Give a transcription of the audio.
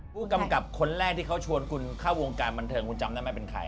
ผู้กำกับคนแรกที่เขาชวนคุณเข้าวงการบันเทิงคุณจำได้ไหมเป็นใคร